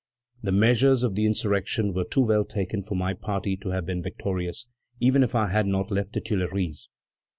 The measures of the insurrection were too well taken for my party to have been victorious, even if I had not left the Tuileries.